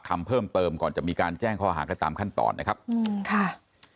คำเพิ่มเติมก่อนจะมีการแจ้งข้อหากันตามขั้นตอนนะครับอืมค่ะ